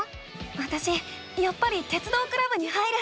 わたしやっぱり鉄道クラブに入る。